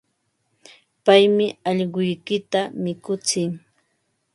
Paymi allquykita mikutsin.